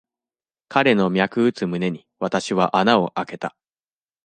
彼の脈打つ胸に、私は穴をあけた。